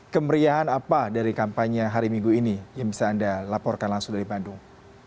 kemeriahan apa dari kampanye hari minggu ini yang bisa anda laporkan langsung dari bandung